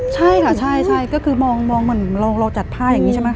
ใช่ค่ะใช่ก็คือมองเหมือนเราจัดผ้าอย่างนี้ใช่ไหม